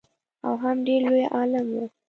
او هم ډېر لوی عالم و.